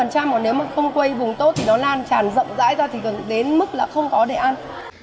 còn nếu mà không quay vùng tốt thì nó lan tràn rộng rãi ra thì cần đến mức là không có để ăn